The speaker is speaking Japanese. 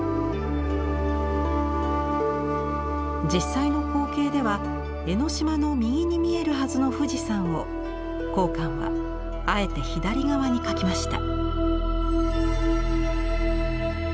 実際の光景では江ノ島の右に見えるはずの富士山を江漢はあえて左側に描きました。